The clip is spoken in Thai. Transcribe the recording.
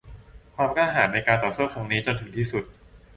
ความกล้าหาญในการต่อสู้ครั้งนี้จนถึงที่สุด